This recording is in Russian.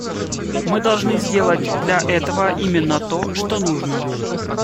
Мы должны сделать для этого именно то, что нужно.